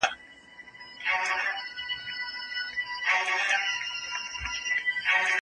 هدف ته پام د کړنو ارزښت زیاتوي.